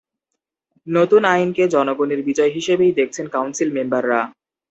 নতুন আইনকে জনগণের বিজয় হিসেবেই দেখছেন কাউন্সিল মেম্বাররা।